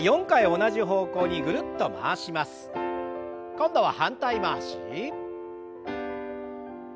今度は反対回し。